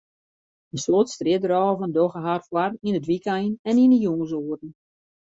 In soad strjitrôverijen dogge har foar yn it wykein en yn de jûnsoeren.